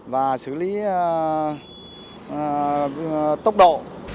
và xử lý tốc độ